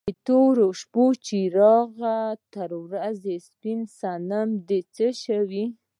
د تورو شپو څراغ تر ورځو سپین صنم دې څه شو؟